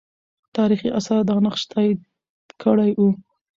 تاریخي آثار دا نقش تایید کړی وو.